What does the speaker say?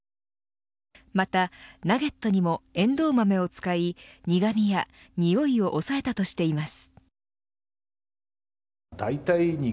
また、ナゲットにもエンドウ豆を使い苦味や匂いを抑えたとしています。